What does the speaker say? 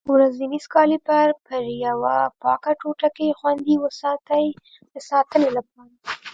ورنیز کالیپر پر یوه پاکه ټوټه کې خوندي وساتئ د ساتنې لپاره.